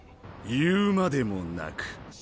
言うまでもなく。